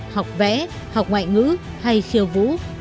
học vẽ học ngoại ngữ hay khiêu vũ